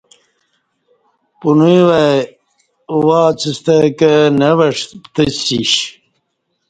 پنوی وای ا واڅستہ کہ نہ وش تیسش